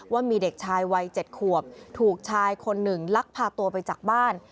ว่ามีเด็กชายวัย๗ขวบถูกชายคนหนึ่งลักพาตัวไปจากบ้าน